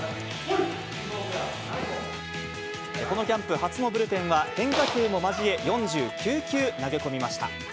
このキャンプ初のブルペンは変化球も交え、４９球投げ込みました。